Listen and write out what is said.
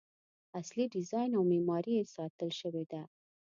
اصلي ډیزاین او معماري یې ساتل شوې ده.